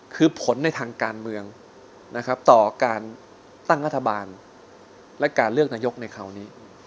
คือผลในทางการเมืองนะครับต่อการตั้งรัฐบาลและการเลือกนายกในคราวนี้